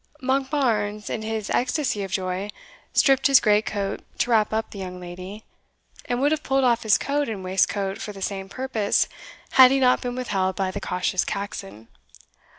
Monkbarns, in his ecstasy of joy, stripped his great coat to wrap up the young lady, and would have pulled off his coat and waistcoat for the same purpose, had he not been withheld by the cautious Caxon.